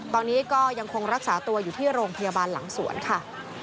ตอนนี้ก็ยังคงรักษาตัวอยู่ที่โรงพยาบาลหลังสวนค่ะ